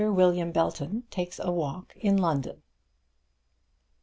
WILLIAM BELTON TAKES A WALK IN LONDON.